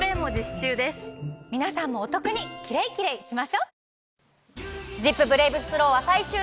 皆さんもお得にキレイキレイしましょう！